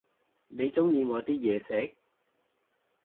你鍾意我啲嘢食？